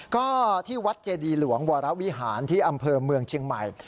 ก็ที่วัดเจดีหลวงวรวิหารที่อำเภอเมืองเชียงใหม่